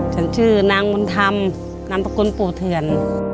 ฉันชื่อนางมุนธรรมนามประกุณปู่เถือน